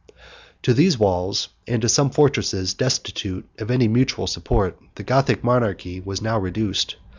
To these walls, and to some fortresses destitute of any mutual support, the Gothic monarchy was now reduced.